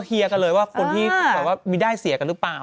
เคลียร์กันเลยว่าคนที่แบบว่ามีได้เสียกันหรือเปล่า